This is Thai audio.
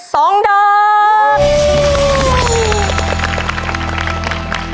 สองดอก